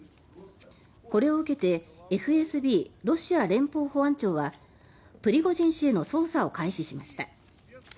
これを受けてＦＳＢ・ロシア連邦保安庁はプリゴジン氏への捜査を開始しました。